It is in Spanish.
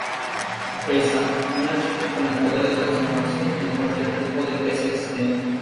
Peza: Una chica con el poder de transformarse en cualquier tipo de pez existente.